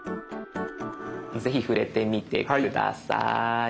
ぜひ触れてみて下さい。